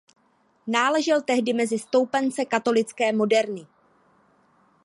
Náležel tehdy mezi stoupence katolické moderny.